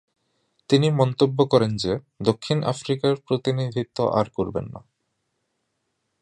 তিনি মন্তব্য করেন যে, দক্ষিণ আফ্রিকার প্রতিনিধিত্ব আর করবেন না।